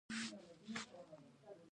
د دولت–ملت مفکوره پخوا منفوره وه.